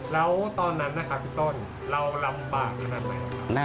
แล้วตอนนั้นนะครับพี่ต้นเราลำบากขนาดไหน